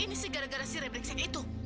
ini sih gara gara sirip reksik itu